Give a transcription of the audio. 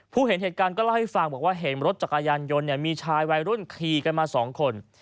เห็นเหตุการณ์ก็เล่าให้ฟังบอกว่าเห็นรถจักรยานยนต์มีชายวัยรุ่นขี่กันมา๒คน